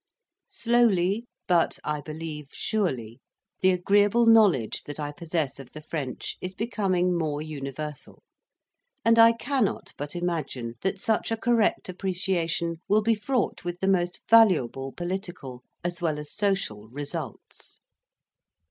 Slowly, but, I believe, surely, the agreeable knowledge that I possess of the French is becoming more universal; and I cannot but imagine that such a correct appreciation will be fraught with the most valuable political as well as social results.